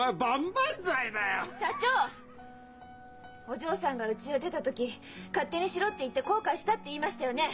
お嬢さんがうちを出た時「勝手にしろって言って後悔した」って言いましたよね！？